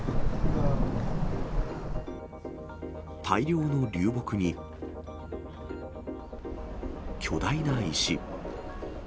大量の流木に、巨大な石。